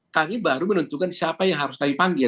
kami baru menentukan siapa yang harus kami panggil